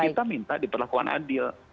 kita minta diperlakukan adil